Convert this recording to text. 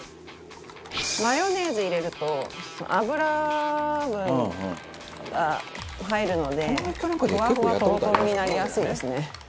マヨネーズ入れると油分が入るのでふわふわトロトロになりやすいですね。